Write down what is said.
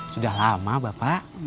sudah lama bapak